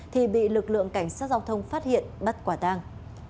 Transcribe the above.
thì bị lực lượng cảnh sát giao thông phát hiện bắt quả tang